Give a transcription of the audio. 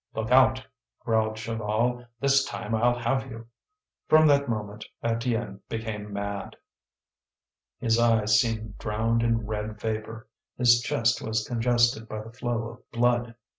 "Look out!" growled Chaval. "This time I'll have you." From that moment Étienne became mad. His eyes seemed drowned in red vapour, his chest was congested by the flow of blood.